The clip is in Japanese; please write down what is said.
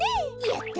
やった！